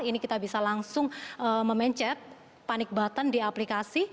ini kita bisa langsung memencet panic button di aplikasi